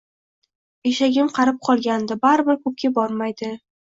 Eshagim qarib qolgandi, baribir koʻpga bormaydi